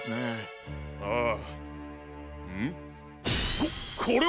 ここれは！